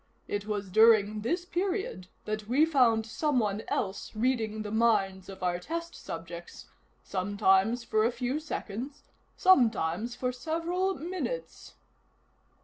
It was during this period that we found someone else reading the minds of our test subjects sometimes for a few seconds, sometimes for several minutes."